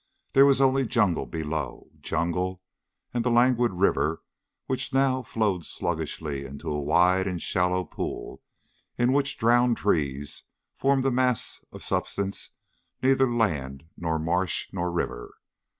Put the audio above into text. There was only jungle below. Jungle, and the languid river which now flowed sluggishly into a wide and shallow pool in which drowned trees formed a mass of substance neither land nor marsh nor river.